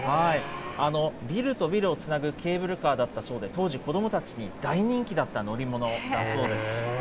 ビルとビルをつなぐケーブルカーだったそうで、当時、子どもたちに大人気だった乗り物だそうです。